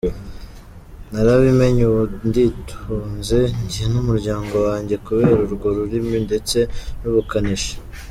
Narabimenye ubu nditunze njye n’umuryango wanjye kubera urwo rurimi ndetse n’ubukanishi.